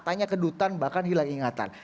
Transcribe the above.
tanya kedutan bahkan hilang ingatan